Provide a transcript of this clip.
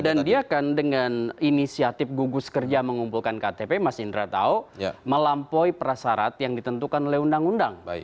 dan dia kan dengan inisiatif gugus kerja mengumpulkan ktp mas indra tahu melampaui prasarat yang ditentukan oleh undang undang